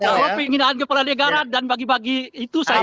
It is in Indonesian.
kalau pengindahan kepala negara dan bagi bagi itu saya uji